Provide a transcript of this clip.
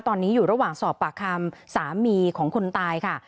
ตอนนี้อยู่ระหว่างสอบปากคำสามีของคนตายค่ะ